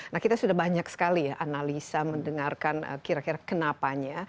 nah kita sudah banyak sekali ya analisa mendengarkan kira kira kenapanya